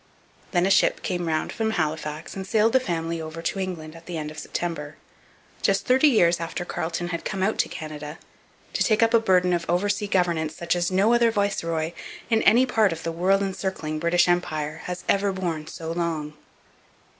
Then a ship came round from Halifax and sailed the family over to England at the end of September, just thirty years after Carleton had come out to Canada to take up a burden of oversea governance such as no other viceroy, in any part of the world encircling British Empire, has ever borne so long.